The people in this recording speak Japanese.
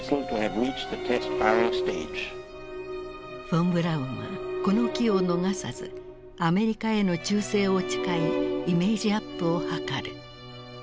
フォン・ブラウンはこの機を逃さずアメリカへの忠誠を誓いイメージアップを図る。